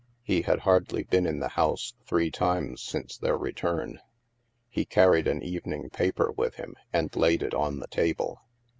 He had hardly been in the house three times since their return. He carried an evening paper with him and laid it on the table.